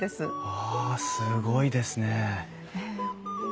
わあすごいですね。